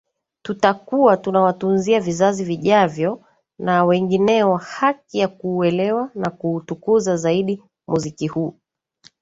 Tutakuwa tunawatunzia vizazi vijavyo na wengineo haki ya kuuelewa na kuutukuza zaidi muziki huu